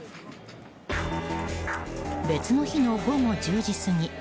別の日の午後１０時過ぎ。